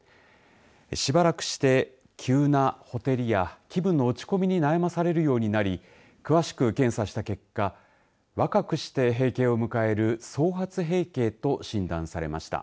しばらくして急なほてりや気分の落ち込みに悩まされるようになり詳しく検査した結果若くして閉経を迎える早発閉経と診断されました。